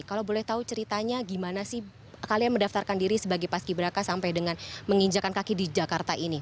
kalau boleh tahu ceritanya gimana sih kalian mendaftarkan diri sebagai paski beraka sampai dengan menginjakan kaki di jakarta ini